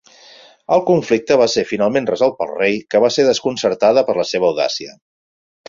El conflicte va ser finalment resolt pel rei que va ser desconcertada per la seva audàcia.